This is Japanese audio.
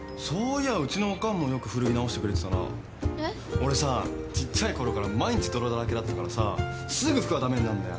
俺さちっちゃいころから毎日泥だらけだったからさすぐ服が駄目になんだよ。